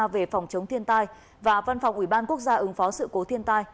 về phòng chống thiên tai và văn phòng ủy ban quốc gia ứng phó sự cố thiên tai